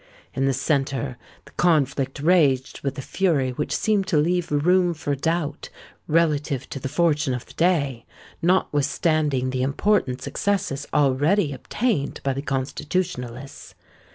In the center the conflict raged with a fury which seemed to leave room for doubt relative to the fortune of the day, notwithstanding the important successes already obtained by the Constitutionalists.